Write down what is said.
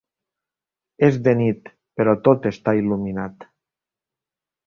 És de nit, però tot està il·luminat.